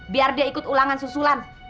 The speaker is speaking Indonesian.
biar dia ikut ulangan susulan